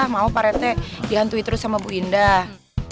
mau pak retne dihantui terus sama bu indah